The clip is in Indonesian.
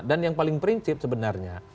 dan yang paling prinsip sebenarnya